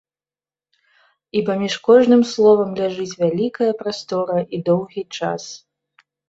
І паміж кожным словам ляжыць вялікая прастора і доўгі час.